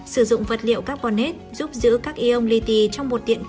sử dụng vật liệu carbonate giúp giữ các ion li ti trong một tiện hợp